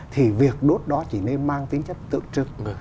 thì việc đốt đó chỉ nên mang tính chất tượng trực